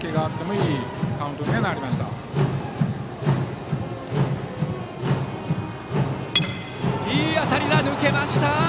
いい当たり、抜けました！